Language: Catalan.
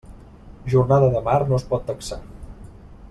Jornada de mar no es pot taxar.